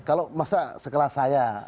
kalau masa sekelas saya